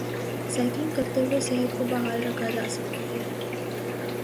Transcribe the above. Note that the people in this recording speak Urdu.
سائیکلینگ کرتے ہوئے صحت کو بحال رکھا جا سکتا ہے